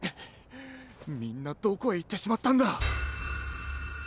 みんなどこへいってしまったんだ。